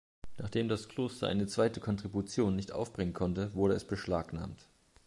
Nachdem das Kloster eine zweite Kontribution nicht aufbringen konnte, wurde es beschlagnahmt.